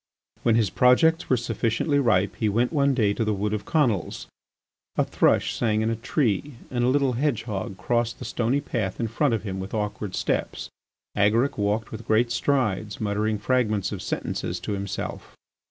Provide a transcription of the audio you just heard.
When his projects were sufficiently ripe he went one day to the Wood of Conils. A thrush sang in a tree and a little hedgehog crossed the stony path in front of him with awkward steps. Agaric walked with great strides, muttering fragments of sentences to himself.